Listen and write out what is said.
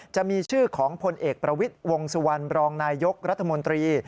จะมีชื่อของพลเอกประวิทย์วงสุวรรณบรองนายยกรัฐมนตรี